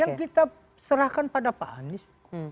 yang kita serahkan pada pak anies